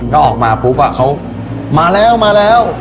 ก็ออกมาปุ๊บอะเขามาแล้ว